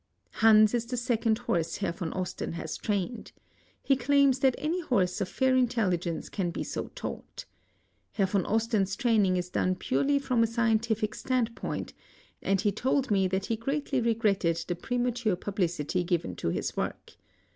Hans Is the second horse Herr von Oaten has trained. He claims that any horse o( fair intelligence can be so taught. Here von Osten's training is done purely from • scientific standpoint, and 1^ told me that he greatly regretted the premature pub^ lidty given to his work.